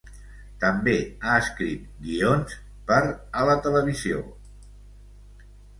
També ha escrit guions per a la televisió.